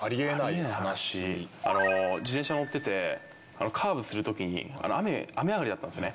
自転車乗っててカーブするときに雨上がりだったんですね。